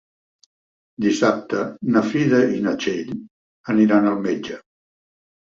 Dissabte na Frida i na Txell aniran al metge.